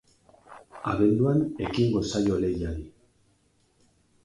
Abenduan ekingo zaio lehiari.